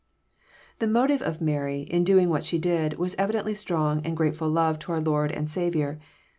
The motive of Mary, in doing what she did, was evidently strong and grateftil love to her liOrd and Saviour.